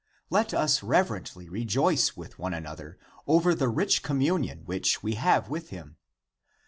Let us reverently rejoice with one another over the rich communion which we have with him